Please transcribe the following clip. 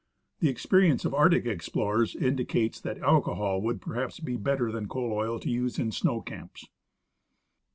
The exjDerience of Arctic explorers indicates that alcohol would perhaps be better than coal oil to use in snow camjDS.